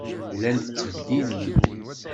Llant ttbeddilent.